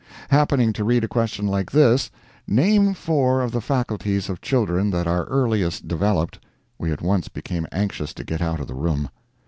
Happening to read a question like this, "Name four of the faculties of children that are earliest developed," we at once became anxious to get out of the room.